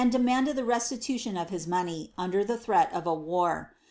emanded the reelituuon ef U* money, under the threat of a war.